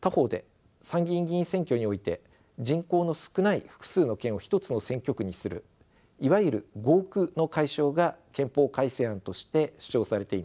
他方で参議院議員選挙において人口の少ない複数の県を一つの選挙区にするいわゆる合区の解消が憲法改正案として主張されています。